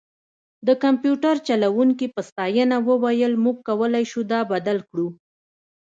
د کمپیوټر جوړونکي په ستاینه وویل موږ کولی شو دا بدل کړو